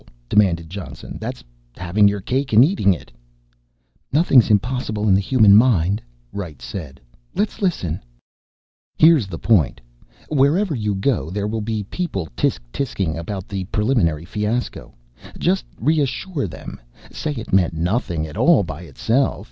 demanded Johnson. "That's having your cake and eating it." "Nothing's impossible in the human mind," Wright said. "Let's listen." "Here's the point. Wherever you go there will be people tsk tsking about the Preliminary fiasco. Just reassure them, say it meant nothing at all by itself.